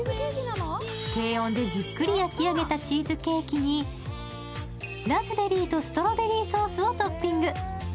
低温でじっくり焼き上げたチーズケーキにラズベリーとストロベリーソースをトッピング。